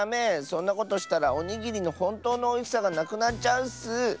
そんなことしたらおにぎりのほんとうのおいしさがなくなっちゃうッス！